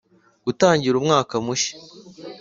Gutangira umwaka mushya